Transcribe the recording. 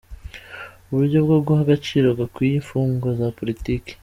Uburyo bwo guha agaciro gakwiye imfungwa za politiki